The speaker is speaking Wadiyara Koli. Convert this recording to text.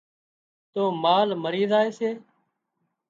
تو مال مرِي زائي سي